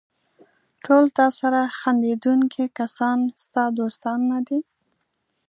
ټول تاسره خندېدونکي کسان ستا دوستان نه دي.